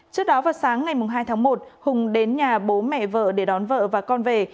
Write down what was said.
trước đó vào sáng ngày hai tháng một hùng đến nhà bố mẹ vợ để đón vợ và con về